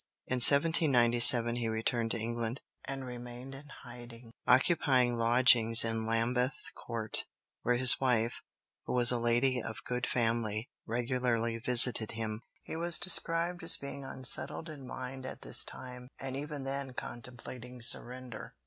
In 1797 he returned to England and remained in hiding, occupying lodgings in Lambeth Court, where his wife, who was a lady of good family, regularly visited him. He is described as being unsettled in mind at this time, and even then contemplating surrender.